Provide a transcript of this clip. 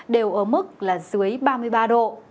đều ở mức dưới ba mươi ba độ